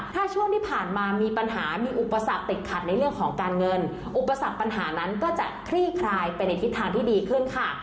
ถ้าช่วงที่ผ่านมามีปัญหามีอุปสรรคติดขัดในเรื่องของการเงินอุปสรรคปัญหานั้นก็จะคลี่คลายไปในทิศทางที่ดีขึ้นค่ะ